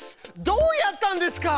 どうやったんですか？